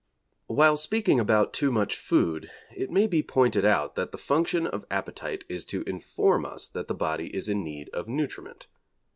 While speaking about too much food, it may be pointed out that the function of appetite is to inform us that the body is in need of nutriment.